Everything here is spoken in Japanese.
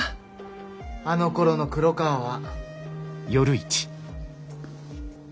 あのころの黒川は。